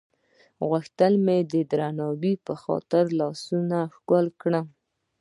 غوښتل مې د درناوي په خاطر لاسونه یې ښکل کړم.